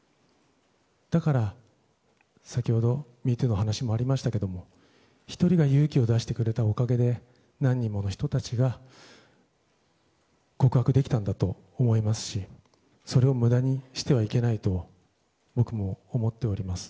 だから先ほど「＃ＭｅＴｏｏ」の話もありましたが１人が勇気を出してくれたおかげで何人もの人たちが告白できたんだと思いますしそれを無駄にしてはいけないと僕も思っております。